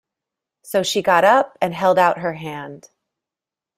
So she got up, and held out her hand.